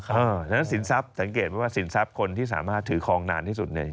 เพราะฉะนั้นสินทรัพย์สังเกตว่าสินทรัพย์คนที่สามารถถือคลองนานที่สุดเนี่ย